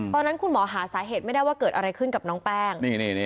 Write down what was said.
ตอนนั้นคุณหมอหาสาเหตุไม่ได้ว่าเกิดอะไรขึ้นกับน้องแป้ง